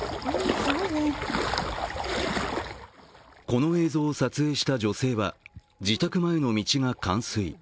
この映像を撮影した女性は自宅前の道が冠水。